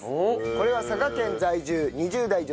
これは佐賀県在住２０代女性